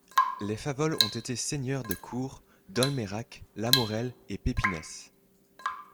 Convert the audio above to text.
Les Favols ont été seigneurs de Cours, Dolmayrac, Lamaurelle et Pépinès.